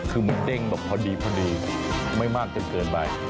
คือมันเด้งแบบพอดีไม่มากจนเกินไป